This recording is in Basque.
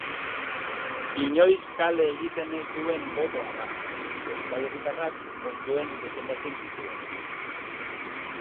Inoiz kale egiten ez duen botoa da, euskal herritarrak ondoen defendatzen dituena.